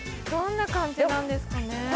どんな感じなんですかね？